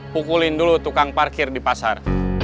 pukulin dulu tukang parkir di pasar